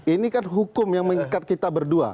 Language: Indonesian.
ini kan hukum yang mengikat kita berdua